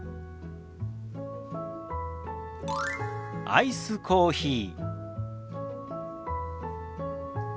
「アイスコーヒー」。